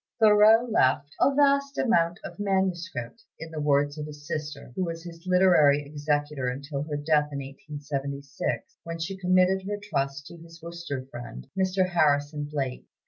Thoreau left "a vast amount of manuscript," in the words of his sister, who was his literary executor until her death in 1876, when she committed her trust to his Worcester friend, Mr. Harrison Blake.